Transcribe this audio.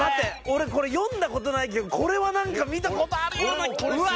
俺これ読んだ事ないけどこれはなんか見た事あるような気がする。